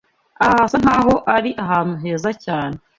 Aha hasa nkaho ari ahantu heza cyane.